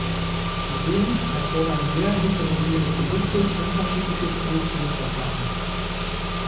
Zudem erfordern sehr heterogene Produkte unterschiedliche Produktionsverfahren.